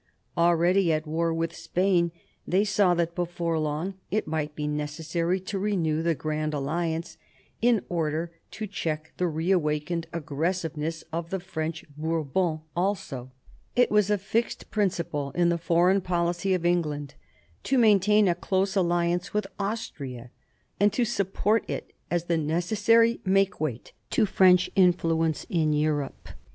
Already at war with Spain, they saw that before long it might be necessary to renew the Grand Alliance in order to check the reawakened aggressive ness of the French Bourbons also. It was a fixed principle in the foreign policy of England to maintain a close alliance with Austria, and to support it as the necessary make weight to French influence in Europe.